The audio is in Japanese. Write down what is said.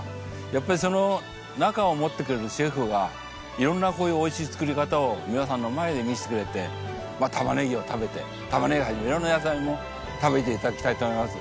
やっぱりその仲を持ってくれるシェフが色んなおいしい作り方を皆さんの前で見せてくれてたまねぎを食べて色んな野菜も食べて頂きたいと思います。